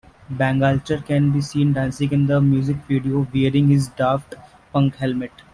Bangalter can be seen dancing in the music video, wearing his Daft Punk helmet.